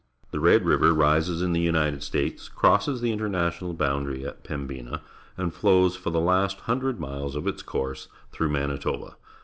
The Red River rises in theJLJnited St ates, crosses the international b oimd aiy at Pem hina, and flows for the last hundred miles of its course through Manitoba.